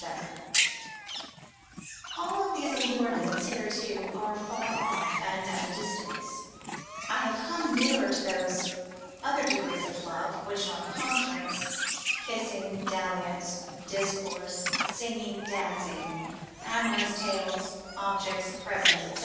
_ All these allurements hitherto are afar off, and at a distance; I will come nearer to those other degrees of love, which are conference, kissing, dalliance, discourse, singing, dancing, amorous tales, objects, presents, &c.